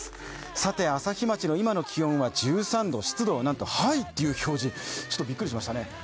さて朝日町の今の気温は１３度湿度は「ＨＩ」という表示、ちょっとびっくりしましたね。